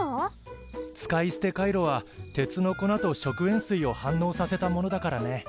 使い捨てカイロは鉄の粉と食塩水を反応させたものだからね。